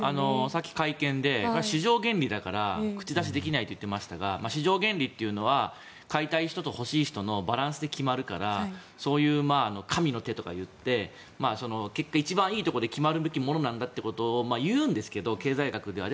さっき、会見で市場原理だから口出しできないといっていましたが市場原理というのは買いたい人と欲しい人のバランスで決まるからそういう神の手とか言って結局一番いいところで決まるべきものなんだって言うんですけど、経済学では。